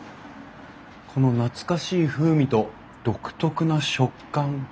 この懐かしい風味と独特な食感。